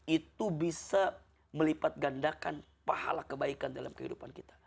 itu bisa melipat gandakan pahala kebaikan dalam kehidupan kita